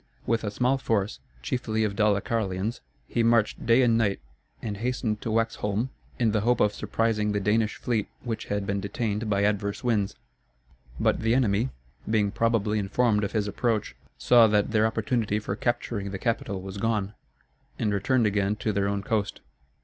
With a small force, chiefly of Dalecarlians, he marched day and night, and hastened to Waxholm in the hope of surprising the Danish fleet which had been detained by adverse winds. But the enemy, being probably informed of his approach, saw that their opportunity for capturing the capital was gone, and returned again to their own coast.